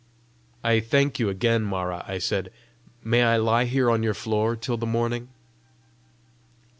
"I thank you again, Mara," I said. " May I lie here on your floor till the morning?"